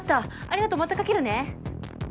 ありがとうまたかけるね。